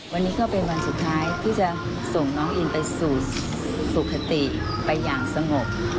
วันนี้ก็เป็นวันสุดท้ายที่จะส่งน้องอินไปสู่สุขติไปอย่างสงบ